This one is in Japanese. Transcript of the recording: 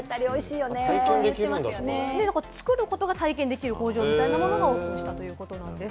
作ることが体験できる工場みたいなものがオープンしたということです。